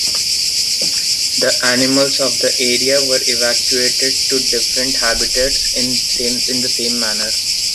The animals of the area were evacuated to different habitats in the same manner.